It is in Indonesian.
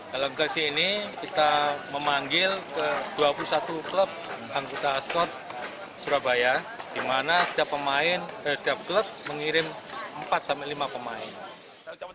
dalam seleksi ini kita memanggil ke dua puluh satu klub anggota skot surabaya di mana setiap klub mengirim empat lima pemain